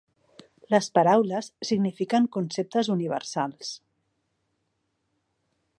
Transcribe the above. Les paraules signifiquen conceptes universals.